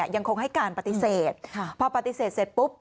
ยังคงให้การปฏิเสธพอปฏิเสธเสร็จปุ๊บ